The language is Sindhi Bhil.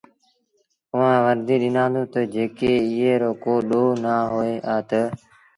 اُئآݩٚ ورنديٚ ڏنآندونٚ تا، ”جيڪڏهينٚ ايٚئي رو ڪو ڏوه نآ هوئي هآ تا